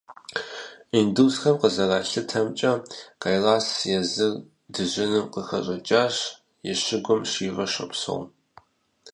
Индусхэм къызэралъытэмкӀэ, Кайлас езыр дыжьыным къыхэщӀыкӀащ, и щыгум Шивэ щопсэу.